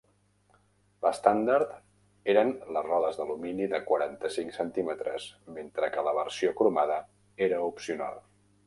L'estàndard eren les rodes d'alumini de quaranta-cinc centímetres, mentre que la versió cromada era opcional.